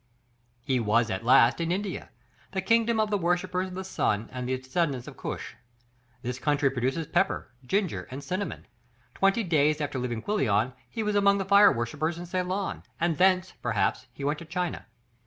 He was at last in India, the kingdom of the worshippers of the Sun and of the descendants of Cush. This country produces pepper, ginger, and cinnamon. Twenty days after leaving Quilon he was among the fire worshippers in Ceylon, and thence, perhaps, he went to China.